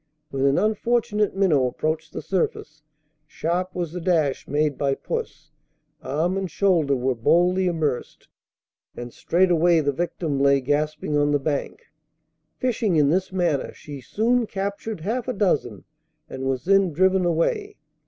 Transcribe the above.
When an unfortunate minnow approached the surface, sharp was the dash made by puss, arm and shoulder were boldly immersed, and straightway the victim lay gasping on the bank. Fishing in this manner, she soon captured half a dozen, and was then driven away.